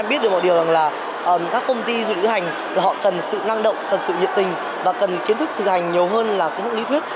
biết được một điều là các công ty lữ hành họ cần sự năng động cần sự nhiệt tình và cần kiến thức thực hành nhiều hơn là kiến thức lý thuyết